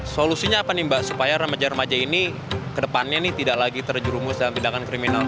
solusinya apa nih mbak supaya remaja remaja ini ke depannya ini tidak lagi terjerumus dalam bidang kriminal